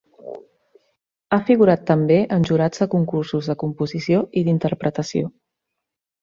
Ha figurat també en jurats de concursos de composició i d'interpretació.